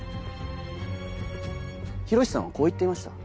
洋さんはこう言っていました。